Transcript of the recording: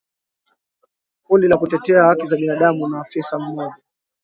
Kundi la kutetea haki za binadamu na afisa mmoja